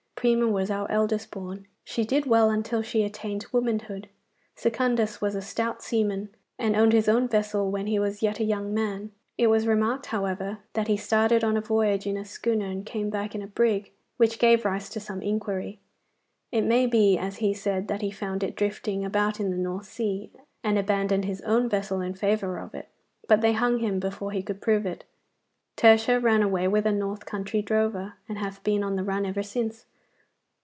Prima was our eldest born. She did well until she attained womanhood. Secundus was a stout seaman, and owned his own vessel when he was yet a young man. It was remarked, however, that he started on a voyage in a schooner and came back in a brig, which gave rise to some inquiry. It may be, as he said, that he found it drifting about in the North Sea, and abandoned his own vessel in favour of it, but they hung him before he could prove it. Tertia ran away with a north country drover, and hath been on the run ever since.